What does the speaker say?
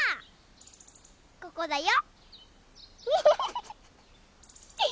ここだよ！